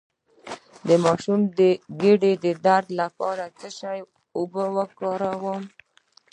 د ماشوم د ګیډې درد لپاره د څه شي اوبه وکاروم؟